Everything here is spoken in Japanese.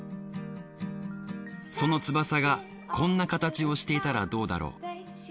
その翼がこんな形をしていたらどうだろう？